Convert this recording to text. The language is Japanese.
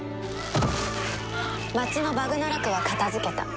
街のバグナラクは片付けた。